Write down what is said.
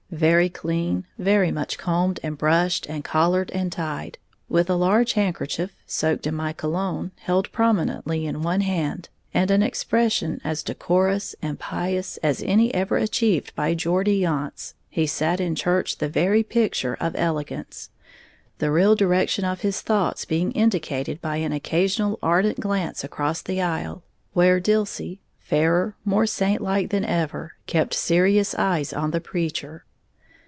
Very clean, very much combed and brushed and collared and tied, with a large handkerchief, soaked in my cologne, held prominently in one hand, and an expression as decorous and pious as any ever achieved by Geordie Yonts, he sat in church the very picture of elegance, the real direction of his thoughts being indicated by an occasional ardent glance across the aisle, where Dilsey, fairer, more saint like than ever, kept serious eyes on the preacher.